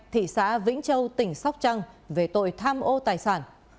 thị xã vĩnh châu tỉnh sóc trăng về tội tham ô tài sản